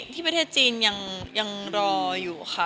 ประเทศจีนยังรออยู่ค่ะ